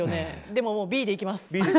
でもＢでいきます。